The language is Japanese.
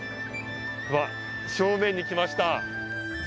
うわっ正面に来ました。